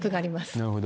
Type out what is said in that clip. なるほど。